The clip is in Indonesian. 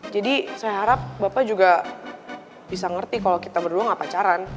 jadi saya harap bapak juga bisa ngerti kalo kita berdua gak pacaran